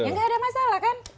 ya nggak ada masalah kan